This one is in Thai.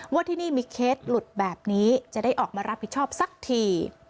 ว่าที่นี่มีเคสหลุดแบบนี้จะได้ออกมารับผิดชอบสักที